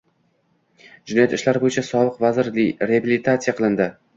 Jinoyat ishlari bo'yicha sobiq vazir reabilitatsiya qilindi